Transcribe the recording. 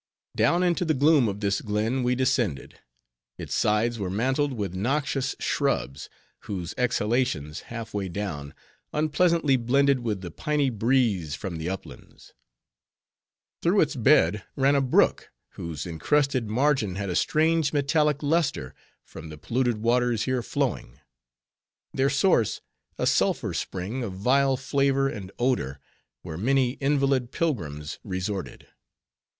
Down into the gloom of this glen we descended. Its sides were mantled with noxious shrubs, whose exhalations, half way down, unpleasantly blended with the piny breeze from the uplands. Through its bed ran a brook, whose incrusted margin had a strange metallic luster, from the polluted waters here flowing; their source a sulphur spring, of vile flavor and odor, where many invalid pilgrims resorted.